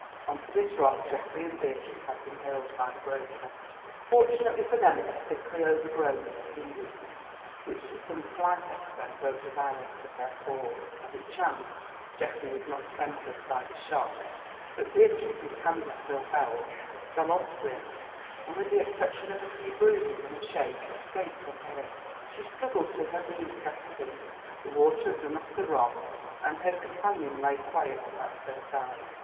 On to this rock Geoffrey and Beatrice had been hurled by the breaker. Fortunately for them it was thickly overgrown with seaweed, which to some slight extent broke the violence of their fall. As it chanced, Geoffrey was knocked senseless by the shock; but Beatrice, whose hand he still held, fell on to him and, with the exception of a few bruises and a shake, escaped unhurt. She struggled to her knees, gasping. The water had run off the rock, and her companion lay quiet at her side.